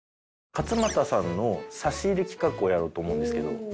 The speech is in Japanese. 勝俣さんの差し入れ企画をやろうと思うんですけど。